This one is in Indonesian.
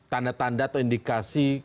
tanda tanda atau indikasi